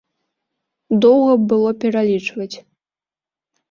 Доўга б было пералічваць.